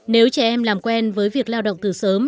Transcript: nếu trẻ em làm quen với việc lao động từ sớm